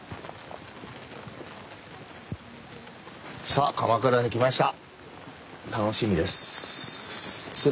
さあ鎌倉に来ました。